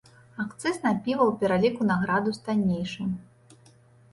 Акцыз на піва ў пераліку на градус таннейшы.